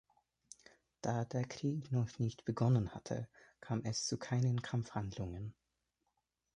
Da der Krieg noch nicht begonnen hatte, kam es zu keinen Kampfhandlungen.